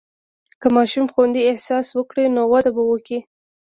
که ماشوم خوندي احساس وکړي، نو وده به وکړي.